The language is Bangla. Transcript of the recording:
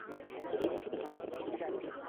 যদি এর মধ্যে তিনি আসেন তবে তাঁকে এই টাকাগুলি দিয়ো।